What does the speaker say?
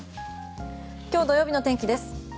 今日、土曜日の天気です。